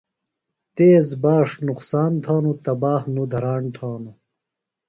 تیز باݜ نُقصان تھانوۡ، تباہ نوۡ دھراݨ تھانوۡ